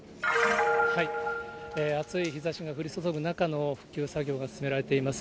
あつい日ざしが降り注ぐ中での復旧作業が進められています。